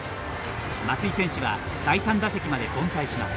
松井選手は第３打席まで凡退します。